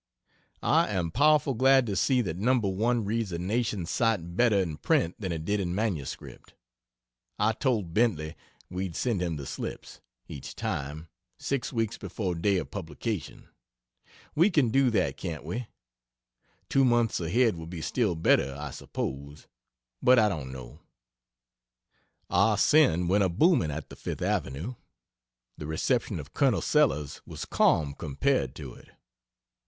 I am powerful glad to see that No. 1 reads a nation sight better in print than it did in MS. I told Bentley we'd send him the slips, each time, 6 weeks before day of publication. We can do that can't we? Two months ahead would be still better I suppose, but I don't know. "Ah Sin" went a booming at the Fifth Avenue. The reception of Col. Sellers was calm compared to it.